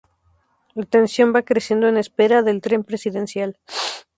La tensión va creciendo en espera del tren presidencial.